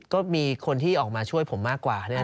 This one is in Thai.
ก็มีคนที่ออกมาช่วยผมมากกว่า